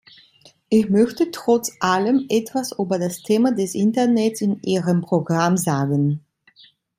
Ich möchte trotz allem etwas über das Thema des Internets in Ihrem Programm sagen.